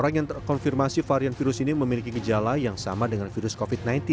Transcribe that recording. informasi varian virus ini memiliki gejala yang sama dengan virus covid sembilan belas